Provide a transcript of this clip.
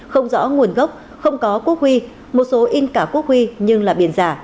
không rõ nguồn gốc không có quốc huy một số in cả quốc huy nhưng là biển giả